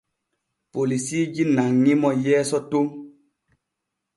Polisiiji nanŋi mo yeeso ton.